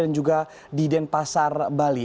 dan juga di denpasar bali